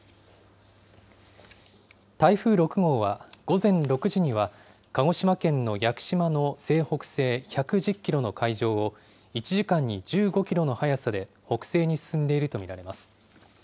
台風６号は午前６時には、鹿児島県の屋久島の西北西１１０キロの海上を、１時間に１５キロの速さで北西に進んでいると見られます。